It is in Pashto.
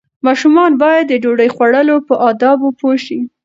ماشومان باید د ډوډۍ خوړلو په آدابو پوه شي.